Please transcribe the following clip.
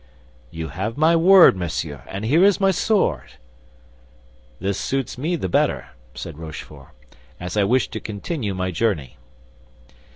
"You have my word, monsieur, and here is my sword." "This suits me the better," said Rochefort, "as I wish to continue my journey."